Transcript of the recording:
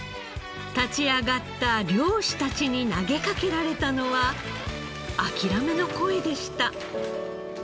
立ち上がった漁師たちに投げかけられたのはあきらめの声でした。